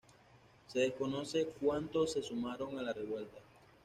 Se desconoce cuántos se sumaron a la revuelta.